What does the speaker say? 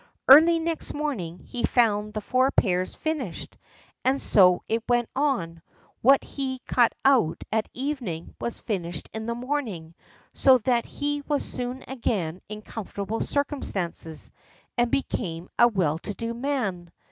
Early next morning he found the four pairs finished, and so it went on; what he cut out at evening was finished in the morning, so that he was soon again in comfortable circumstances, and became a well to do man.